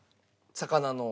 魚の？